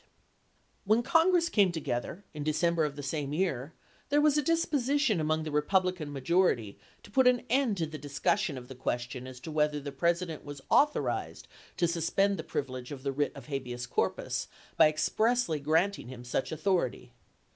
stramt When Congi ess came together in December of the same year, there was a disposition among the Eepublican majority to put an end to the discus sion of the question as to whether the President was authorized to suspend the privilege of the writ of habeas corpus by expressly granting him such au thority.